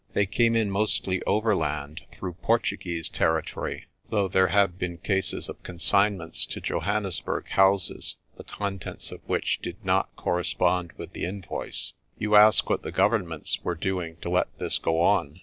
They came in mostly over land through Portuguese territory, though there have been cases of consignments to Johannesburg houses, the contents of which did not correspond with the invoice. You ask what the Governments were doing to let this go on.